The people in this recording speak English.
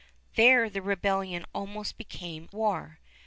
There the rebellion almost became war.